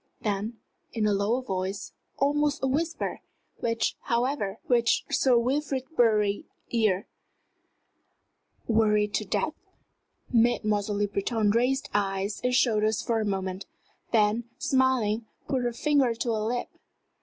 then, in a lower voice, almost a whisper, which, however, reached Sir Wilfrid Bury's ears "worried to death?" Mademoiselle Le Breton raised eyes and shoulders for a moment, then, smiling, put her finger to her lip.